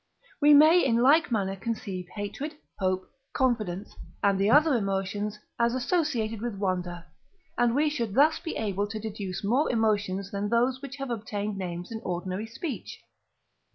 We may in like manner conceive hatred, hope, confidence, and the other emotions, as associated with wonder; and we should thus be able to deduce more emotions than those which have obtained names in ordinary speech.